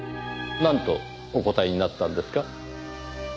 なんとお答えになったんですか？